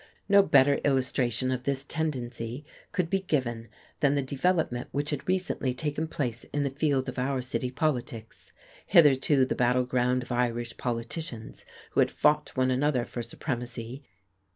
No better illustration of this tendency could be given than the development which had recently taken place in the field of our city politics, hitherto the battle ground of Irish politicians who had fought one another for supremacy.